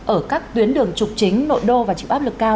ở các tuyến đường trục chính nội đô và chịu áp lực cao